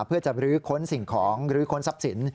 เพื่อจะบรื้อค้นสิ่งของหรือค้นทรัพย์สิน